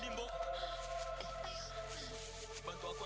hai hai hai betul betul